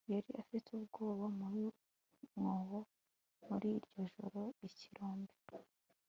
Yari afite ubwoba mu mwobo muri iryo joro ikirombe